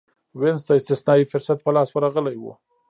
وینز ته استثنايي فرصت په لاس ورغلی و